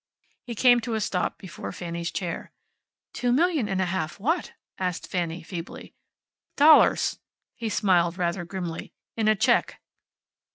He came to a stop before Fanny's chair. "Two million and a half what?" asked Fanny, feebly. "Dollars." He smiled rather grimly. "In a check."